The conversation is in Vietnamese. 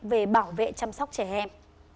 để bảo vệ chăm sóc trẻ em